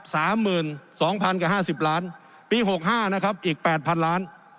สามหมื่นสองพันกับห้าสิบล้านปีหกห้านะครับอีกแปดพันล้าน